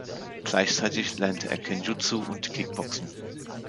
Gleichzeitig lernte er Kenjutsu und Kickboxen.